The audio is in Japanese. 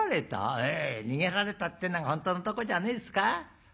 「ええ逃げられたってのが本当のとこじゃねえですか。